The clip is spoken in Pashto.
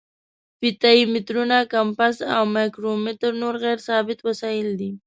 فیته یي مترونه، کمپاس او مایکرو میټر نور غیر ثابت وسایل دي.